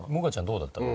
どうだったの？